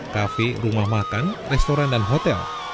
kafe rumah makan restoran dan hotel